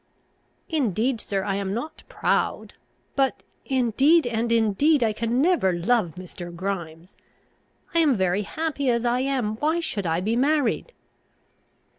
"Indeed, sir, I am not proud. But, indeed and indeed, I can never love Mr. Grimes. I am very happy as I am: why should I be married?"